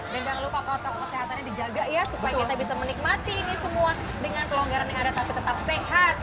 dan jangan lupa kota kota kesehatannya dijaga ya supaya kita bisa menikmati ini semua dengan kelonggaran yang ada tapi tetap sehat